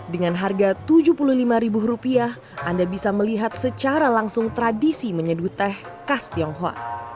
dengan harga rp tujuh puluh lima anda bisa melihat secara langsung tradisi menyeduh teh khas tionghoa